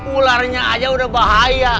ularnya aja udah bahaya